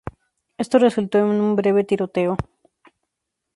Esto resultó en un breve tiroteo.